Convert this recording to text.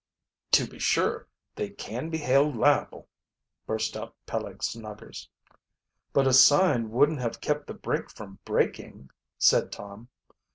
"To be sure they can be held liable," burst out Peleg Snuggers. "But a sign wouldn't have kept the brake from breaking," said Tom.